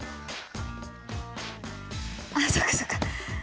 あそっかそっか。